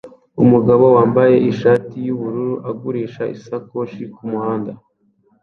Umugabo wambaye ishati yubururu agurisha isakoshi kumuhanda